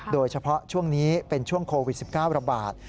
โดยเฉพาะช่วงนี้เป็นช่วงโควิด๑๙ระบาด